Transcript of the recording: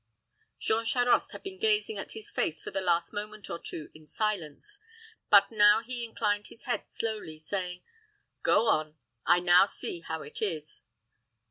Jean Charost had been gazing in his face for the last moment or two in silence; but now he inclined his head slowly, saying, "Go on. I now see how it is."